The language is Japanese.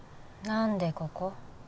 何でここ？